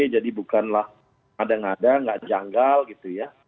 jadi bukanlah kadang kadang tidak janggal gitu ya